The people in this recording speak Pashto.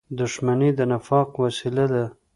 • دښمني د نفاق وسیله ده.